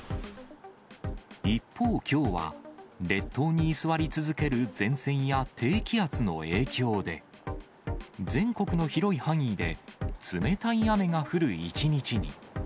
一方、きょうは列島に居座り続ける前線や低気圧の影響で、全国の広い範囲で冷たい雨が降る一日に。